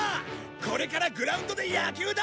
これからグラウンドで野球だ！